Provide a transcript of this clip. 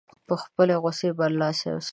په خپلې غوسې برلاسی اوسي.